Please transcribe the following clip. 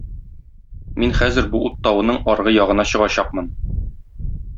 Мин хәзер бу ут тавының аргы ягына чыгачакмын.